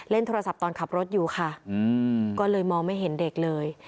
โทรศัพท์ตอนขับรถอยู่ค่ะก็เลยมองไม่เห็นเด็กเลย